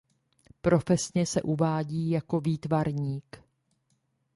Profesně se uvádí jako výtvarník.